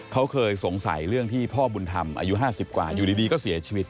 เขาเคยสงสัยเรื่องที่พ่อบุญธรรมอายุ๕๐กว่าอยู่ดีก็เสียชีวิต